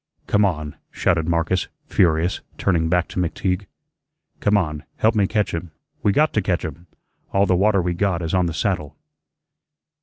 "Come on," shouted Marcus, furious, turning back to McTeague. "Come on, help me catch him. We got to catch him. All the water we got is on the saddle."